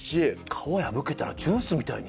皮破けたらジュースみたいに。